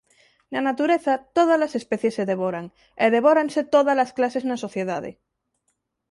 Na natureza, tódalas especies se devoran; e devóranse tódalas clases na sociedade.